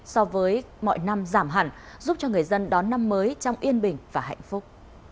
so với mọi năm giảm hẳn giúp cho người dân đón năm mới trong yên bình và hạnh phúc